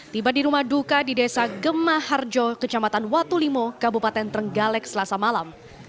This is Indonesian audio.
tiba di rumah duka di desa gemaharjo kecamatan watulimo kabupaten terenggalek selasa malam